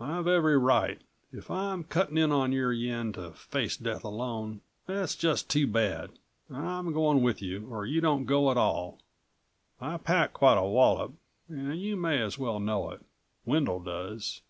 "I've every right. If I'm cutting in on your yen to face death alone ... that's just too bad. I'm going with you, or you don't go at all. I pack quite a wallop, and you may as well know it. Wendel does."